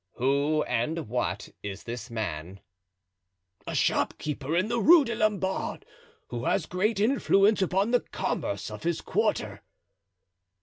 "Who and what is this man?" "A shopkeeper in the Rue des Lombards, who has great influence upon the commerce of his quarter."